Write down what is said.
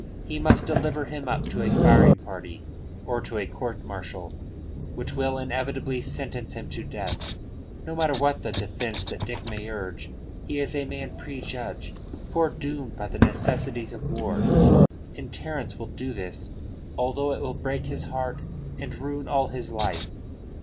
He must deliver him up to a firing party or to a court martial which will inevitably sentence him to death, no matter what the defence that Dick may urge. He is a man prejudged, foredoomed by the necessities of war. And Terence will do this although it will break his heart and ruin all his life.